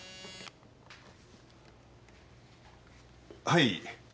はい。